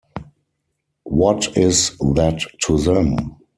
What is that to them?